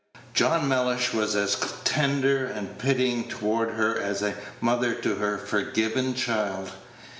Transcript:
John Mellish was as tender and pitying toward her as a mother to her forgiven child.